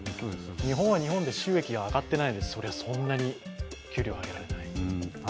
日本は日本で、収益が上がっていないので、給料はそんなに上げられない。